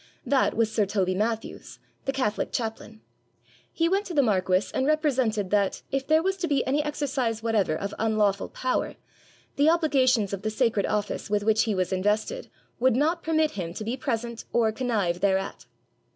That was sir Toby Mathews, the catholic chaplain. He went to the marquis and represented that, if there was to be any exercise whatever of unlawful power, the obligations of the sacred office with which he was invested would not permit him to be present or connive thereat.